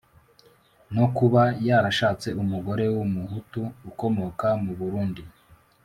no kuba yarashatse umugore w'umuhutu ukomoka mu burundi.